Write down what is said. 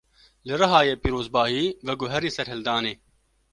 Li Rihayê pîrozbahî, veguherî serhildanê